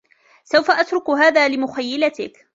سوف أترك هذا لمخيلتك.